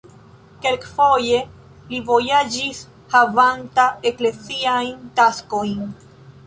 Kelkfoje li vojaĝis havanta ekleziajn taskojn.